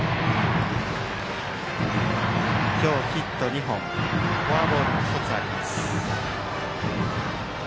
今日、ヒット２本フォアボールが１つあります。